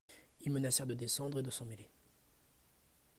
Ils menacèrent de descendre et de s'en mêler.